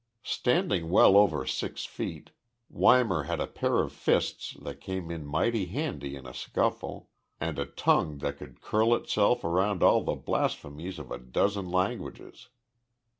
Standing well over six feet, Weimar had a pair of fists that came in mighty handy in a scuffle, and a tongue that could curl itself around all the blasphemies of a dozen languages.